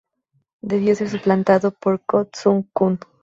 Debió ser suplantado por Koh Tsu Koon.